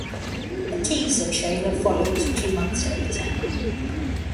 A teaser trailer followed two months later.